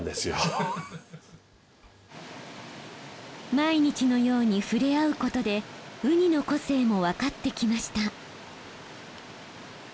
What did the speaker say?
毎日のように触れ合うことでウニの個性もわかってきました。